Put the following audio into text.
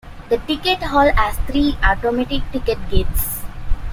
The ticket hall has three automatic ticket gates.